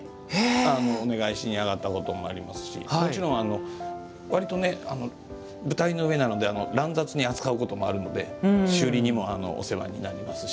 お願いしにあがったこともありますしもちろん、わりと舞台の上なので乱雑に扱うこともあるので修理にもお世話になりますし。